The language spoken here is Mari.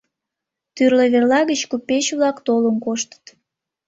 Тӱрлӧ верла гыч купеч-влак толын коштыт.